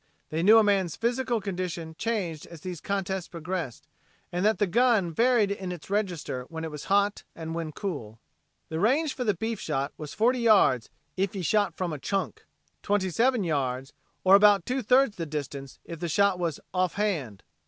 They knew a man's physical condition changed as these contests progressed, and that the gun varied in its register when it was hot and when cool. The range for the beef shoot was forty yards "ef ye shot from a chunk." Twenty seven yards, or about two thirds the distance, if the shot was offhand.